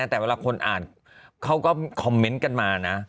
แต่เวลาคนอ่านเขาก็คอมเมนต์กันมานะ